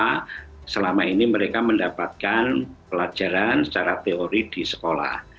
karena selama ini mereka mendapatkan pelajaran secara teori di sekolah